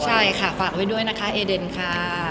ใช่ค่ะฝากไว้ด้วยนะคะเอเดนค่ะ